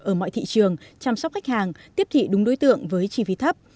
ở mọi thị trường chăm sóc khách hàng tiếp thị đúng đối tượng với chi phí thấp